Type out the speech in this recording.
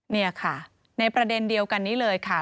นี่ค่ะในประเด็นเดียวกันนี้เลยค่ะ